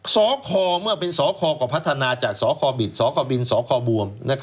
สอคอเมื่อเป็นสอคอก็พัฒนาจากสอคอบินสอคอบวม